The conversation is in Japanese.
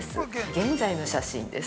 現在の写真です。